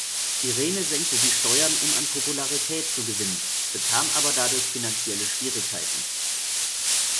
Irene senkte die Steuern, um an Popularität zu gewinnen, bekam aber dadurch finanzielle Schwierigkeiten.